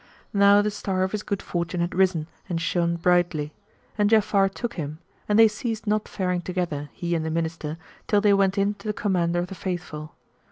Now the star of his good fortune had risen and shone brightly; and Ja'afar took him; and they ceased not faring together, he and the Minister, till they went in to the Commander of the Faithful.